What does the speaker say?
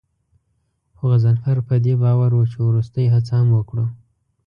خو غضنفر په دې باور و چې وروستۍ هڅه هم وکړو.